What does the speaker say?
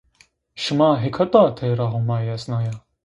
Şıma hêkata Teyra Homayi hesnaya?